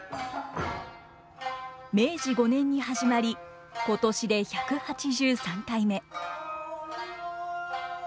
明治５年に始まり今年で１８３回目。